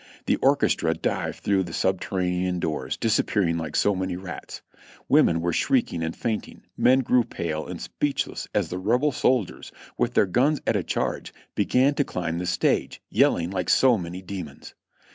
The orchestra dived through the subterranean doors, disap pearing like so many rats. Women were shrieking and fainting, men grew pale and speechless as the Rebel soldiers, with their guns at a charge, began to climb the stage, yelling like so many demons.